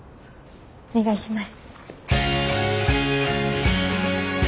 お願いします。